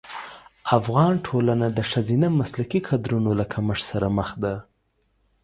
افغان ټولنه د ښځینه مسلکي کدرونو له کمښت سره مخ ده.